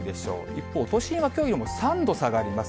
一方、都心はきょうよりも３度下がります。